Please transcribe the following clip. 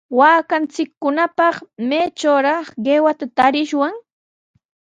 Waakanchikkunapaq, ¿maytrawraq qiwata tarishwan?